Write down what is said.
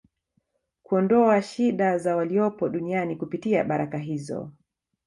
kuondoa shida za waliopo duniani kupitia baraka hizo